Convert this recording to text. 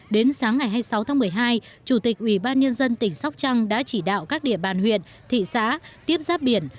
đến sáng ngày hai mươi sáu tháng một mươi hai chủ tịch ủy ban nhân dân tỉnh sóc trăng đã chỉ đạo các địa bàn huyện thị xã tiếp giáp biển